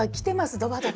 ドバドバ。